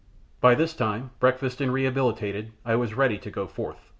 By this time, breakfasted and rehabilitated, I was ready to go forth.